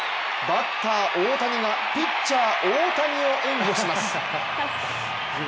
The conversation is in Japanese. バッター・大谷がピッチャー・大谷を援護します。